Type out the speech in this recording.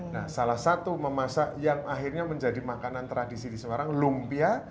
nah salah satu memasak yang akhirnya menjadi makanan tradisi di semarang lumpia